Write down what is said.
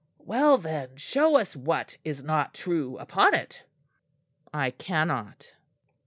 "Well, then, show us what is not true upon it." "I cannot."